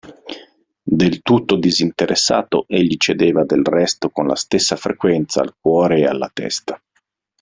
Del tutto disinteressato, egli cedeva del resto con la stessa frequenza al cuore e alla testa.